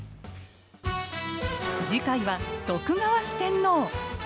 次回は徳川四天王。